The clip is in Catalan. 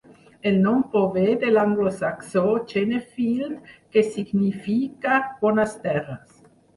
El nom prové de l'anglosaxó "Chenefield", que significa "bones terres".